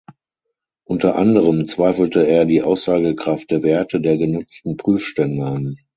Unter anderem zweifelte er die Aussagekraft der Werte der genutzten Prüfstände an.